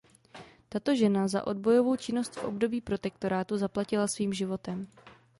Tato žena za odbojovou činnost v období protektorátu zaplatila svým životem.